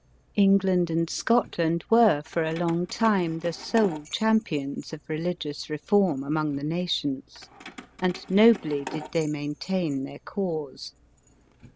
England and Scotland were, for a long time, the sole champions of religious reform, among the nations; and nobly did they maintain their cause.